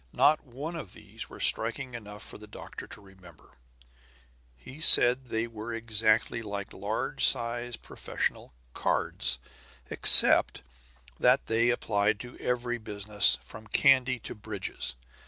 Not one of these were striking enough for the doctor to remember; he said they were exactly like large size professional "cards," except that they applied to every business, from candy to bridges.